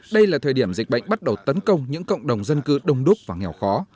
đây là thời điểm dịch bệnh bắt đầu tấn công những cộng đồng dân cư đông đúc và nghèo khó